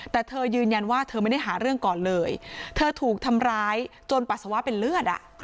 แต่เธอยืนยันว่าเธอไม่ได้หาเรื่องก่อนเลยเธอถูกทำร้ายจนปัสสาวะเป็นเลือด